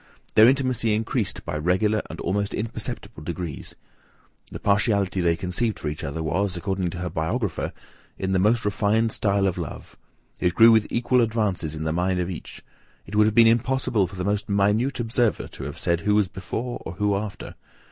Their intimacy increased by regular and almost imperceptible degrees. The partiality they conceived for each other was, according to her biographer, "In the most refined style of love. It grew with equal advances in the mind of each. It would have been impossible for the most minute observer to have said who was before, or who after.